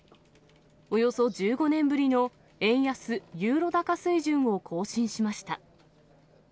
およそ１５年ぶりの円安ユーロ高水準を更新しました。